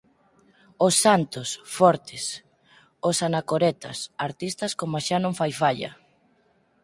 Os santos! fortes! os anacoretas, artistas coma xa non fai falla!